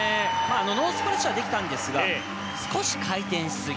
ノースプラッシュはできたんですが少し回転しすぎ。